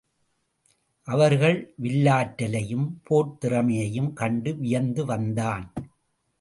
அவர்கள் வில்லாற்றலையும் போர்த்திறமையையும் கண்டு வியந்து வந்தான்.